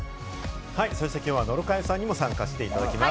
そして、きょうは野呂佳代さんにも参加していただきます。